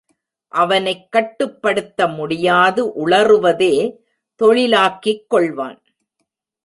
அவனைக் கட்டுப்படுத்த முடியாது உளறுவதே தொழிலாக்கிக் கொள்வான்.